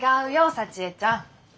幸江ちゃん。